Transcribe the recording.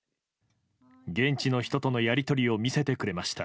現地の人とのやり取りを見せてくれました。